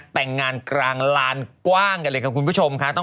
แต่งงานกลางลานกว้างกันเลยค่ะคุณผู้ชมค่ะ